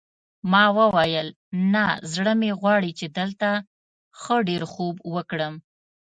ما وویل نه زړه مې غواړي چې دلته ښه ډېر خوب وکړم.